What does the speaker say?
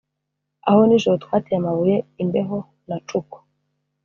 aho nijoro twateye amabuye imbeho na cuckoo